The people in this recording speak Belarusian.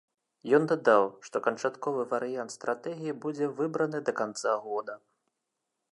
Ён дадаў, што канчатковы варыянт стратэгіі будзе выбраны да канца года.